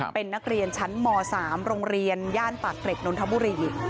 เป็นนักเรียนชั้นม๓โรงเรียนย่านปากเกร็ดนนทบุรี